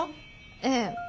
ええ。